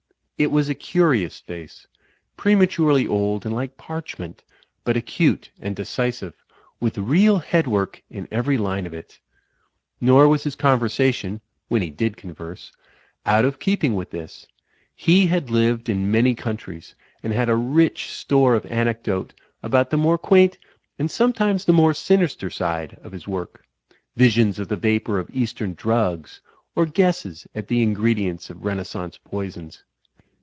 It was a curious face, prematurely old and like parchment, but acute and decisive, with real headwork in every line of it. Nor was his conversa tion, when he did converse, out of keeping with this: he had lived in many countries, and had a rich store of anecdote about the more quaint and sometimes the more sinister side of his work, visions of the vapour of eastern drugs or guesses at the ingredients of Rena scence poisons.